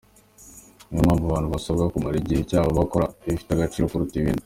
Niyo mpamvu abantu basabwa kumara igihe cyabo bakora ibifite agaciro kuruta ibindi.